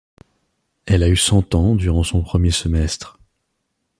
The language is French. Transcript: Elle a eu cent ans durant son première semestre.